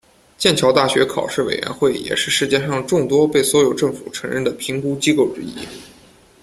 剑桥大学考试委员会也是世界上众多的被所有政府承认的评估机构之一。